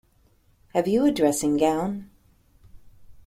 Have you a dressing-gown?